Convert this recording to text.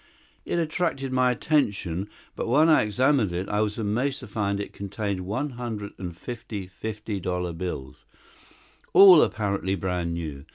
It attracted my attention, but when I examined it I was amazed to find that it contained one hundred and fifty fifty dollar bills, all apparently brand new.